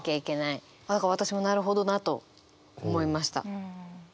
私もなるほどなと思いました。